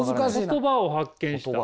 言葉を発見した？